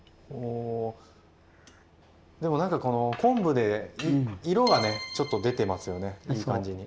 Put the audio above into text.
でもなんかこの昆布で色がねちょっと出てますよねいい感じに。